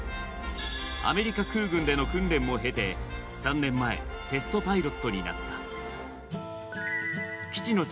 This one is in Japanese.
アメリカ空軍での訓練も経て、３年前、テストパイロットになった。